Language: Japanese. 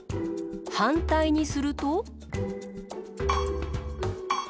はんたいにすると？